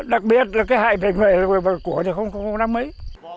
đặc biệt là cái hại bệnh người của thì không có năm mấy